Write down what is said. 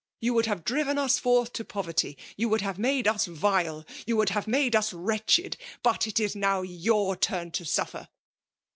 You would have driven us forth, to ppverty,— you would have made us vile, — ^you would have made us wretched. But it is now your turn to suffer!